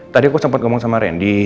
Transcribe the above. tadi aku sempat ngomong sama randy